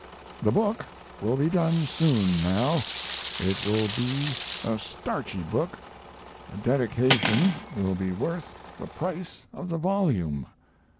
The book will be done soon now. It will be a starchy book; the dedication will be worth the price of the volume.